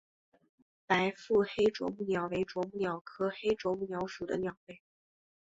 白腹黑啄木鸟为啄木鸟科黑啄木鸟属的鸟类。